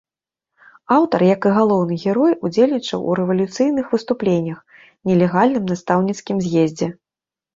Аўтар, як і галоўны герой, удзельнічаў у рэвалюцыйных выступленнях, нелегальным настаўніцкім з'ездзе.